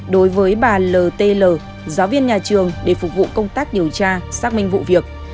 đối với bà l t l giáo viên nhà trường để phục vụ công tác điều tra xác minh vụ việc